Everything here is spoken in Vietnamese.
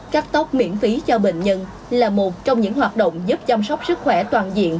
cắt tóc miễn phí cho bệnh nhân là một trong những hoạt động giúp chăm sóc sức khỏe toàn diện